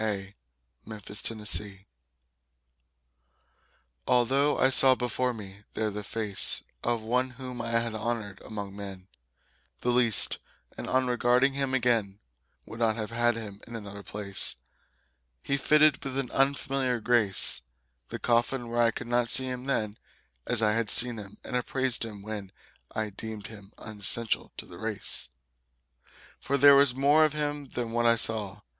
Inferential Although I saw before me there the face Of one whom I had honored among men The least, and on regarding him again Would not have had him in another place, He fitted with an unfamiliar grace The coffin where I could not see him then As I had seen him and appraised him when I deemed him unessential to the race. For there was more of him than what I saw.